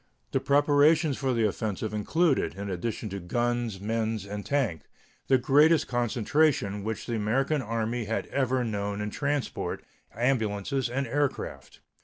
The preparations for the offensive included, in addition to guns, men, and tanks, the greatest concentration which the American Army had ever known in transport, ambulances, and aircraft.